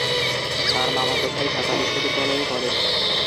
তার মামাতো ভাই ঢাকা বিশ্ববিদ্যালয়ে পড়ে।